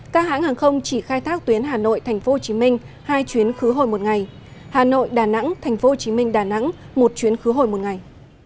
các hãng hàng không chỉ khai thác tuyến hà nội tp hcm hai chuyến khứ hồi một ngày hà nội đà nẵng tp hcm đà nẵng một chuyến khứ hồi một ngày